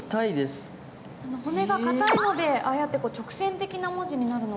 骨が硬いのでああやって直線的な文字になるのも分かりますよね。